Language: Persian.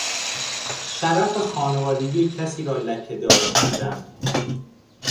شرف خانوادگی کسی را لکهدار کردن